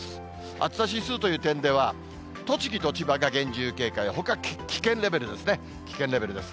暑さ指数という点では、栃木と千葉が厳重警戒、ほか危険レベルですね、危険レベルです。